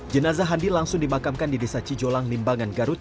jenazah handi langsung dimakamkan di desa cijolang limbangan garut